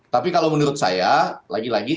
tapi kalau menurut saya lagi lagi